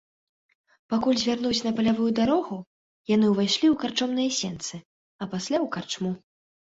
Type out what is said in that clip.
Пакуль звярнуць на палявую дарогу, яны ўвайшлі ў карчомныя сенцы, а пасля ў карчму.